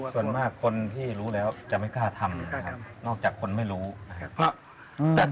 ส่วนมากคนที่รู้แล้วจะไม่กล้าทำนะครับนอกจากคนไม่รู้นะครับ